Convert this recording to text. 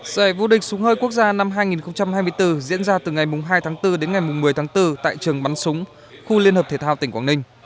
giải vô địch súng hơi quốc gia năm hai nghìn hai mươi bốn diễn ra từ ngày hai tháng bốn đến ngày một mươi tháng bốn tại trường bắn súng khu liên hợp thể thao tỉnh quảng ninh